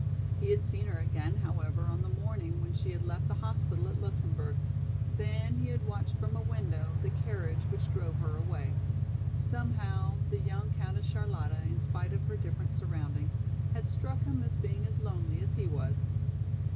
He had seen her again, however, on the morning when she had left the hospital at Luxemburg. Then he had watched from a window the carriage which drove her away. Somehow the young Countess Charlotta in spite of her different surroundings, had struck him as being as lonely as he was.